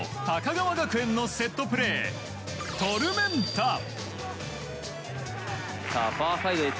高川学園のセットプレートルメンタ。